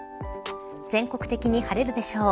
全国的に晴れるでしょう。